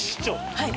はい。